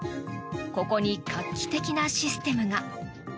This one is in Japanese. ここに画期的なシステムが。